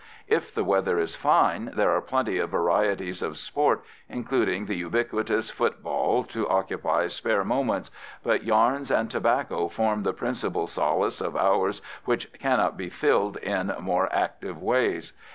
If the weather is fine there are plenty of varieties of sport, including the ubiquitous football to occupy spare minutes, but yarns and tobacco form the principal solace of hours which cannot be filled in more active ways.